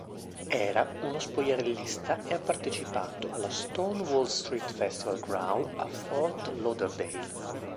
Era uno spogliarellista e ha partecipato allo Stonewall Street Festival “Growl” a Fort Lauderdale.